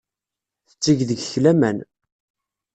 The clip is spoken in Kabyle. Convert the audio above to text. Tetteg deg-k laman.